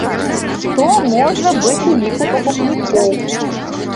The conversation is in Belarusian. Хто можа быць у ліку пакупнікоў?